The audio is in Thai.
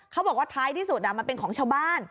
เขาบอกว่าท้ายที่สุดมันเป็นของชาวบ้าน